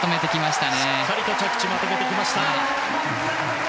しっかりと着地まとめてきました。